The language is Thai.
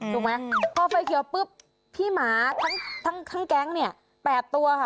ถูกไหมพอไฟเขียวปุ๊บพี่หมาทั้งแก๊งเนี่ย๘ตัวค่ะ